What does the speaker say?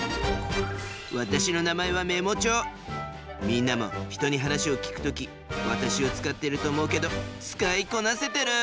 みんなも人に話を聞く時私を使ってると思うけど使いこなせてる？